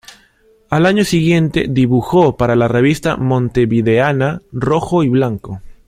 Al año siguiente dibujó para la revista montevideana "Rojo y Blanco".